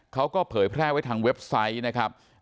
เผยแพร่ไว้ทางเว็บไซต์นะครับ